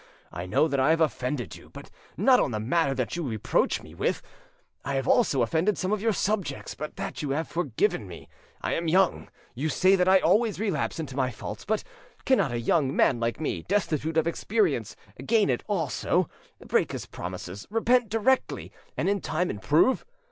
I know that I have offended you, but not on the matter that you reproach me with: I have also offended some of your subjects, but that you have forgiven me. I am young, and you say that I always relapse into my faults; but cannot a young man like me, destitute of experience, gain it also, break his promises, repent directly, and in time improve?